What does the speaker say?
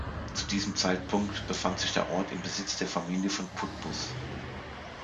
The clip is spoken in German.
Zu diesem Zeitpunkt befand sich der Ort im Besitz der Familie von Putbus.